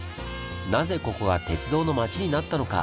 なぜここが「鉄道の町」になったのか？